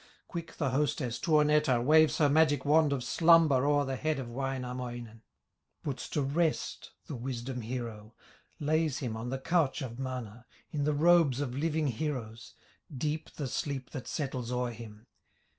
Quick the hostess, Tuonetar, Waves her magic wand of slumber O'er the head of Wainamoinen, Puts to rest the wisdom hero, Lays him on the couch of Mana, In the robes of living heroes, Deep the sleep that settles o'er him.